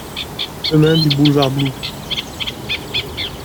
Chemin du Boulevard, Blou